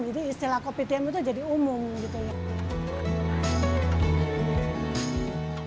jadi istilah kopi tiam itu jadi umum gitu ya